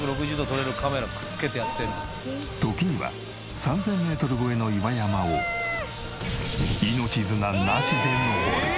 時には３０００メートル超えの岩山を命綱なしで登る。